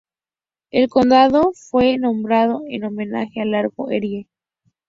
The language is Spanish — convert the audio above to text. El condado fue nombrado en homenaje al Lago Erie.